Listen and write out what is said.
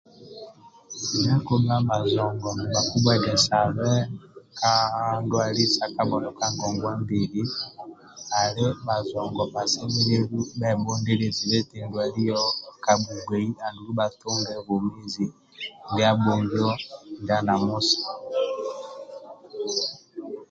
Ndia akidhua bhajongo bhe nibhakibhuegesabe ka ndwali sa kabhondo ka ngongwa mbili ali eti bhajongo bhasemelelu bhebhundilie zibe eti ndwali yoho kabhugbei andulu bhatunge bwomezi ndia abhongio ndia namusa